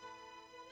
gak ada raya